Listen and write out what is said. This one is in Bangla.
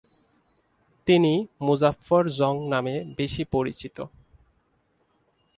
তিনি মুজাফফর জং নামে বেশি পরিচিত।